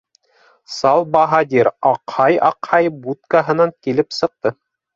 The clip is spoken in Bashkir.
Сал баһадир, аҡһай-аҡһай, будкаһынан килеп сыҡты.